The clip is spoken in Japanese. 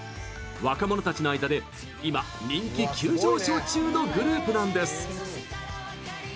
若者たちの間で今、人気急上昇中のグループなんです。